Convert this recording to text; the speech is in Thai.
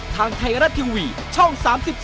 ทางไทยรัฐทีวีช่อง๓๒